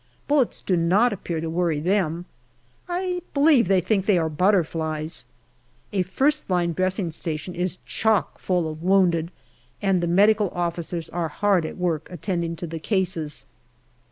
Bullets do not appear to worry them. I believe they think that they are butterflies. A first line dressing station is chock full of wounded, and the M.O.'s are hard at work attending to the cases.